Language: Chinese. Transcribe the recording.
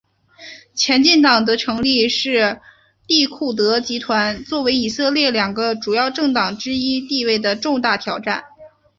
前进党的成立是利库德集团作为以色列两个主要政党之一地位的重大挑战。